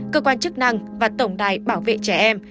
cơ quan chức năng và tổng đài bảo vệ trẻ em